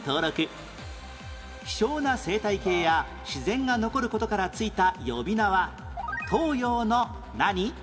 希少な生態系や自然が残る事から付いた呼び名は東洋の何？